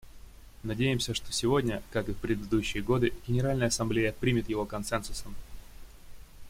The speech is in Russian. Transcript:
Надеемся, что сегодня, как и в предыдущие годы, Генеральная Ассамблея примет его консенсусом.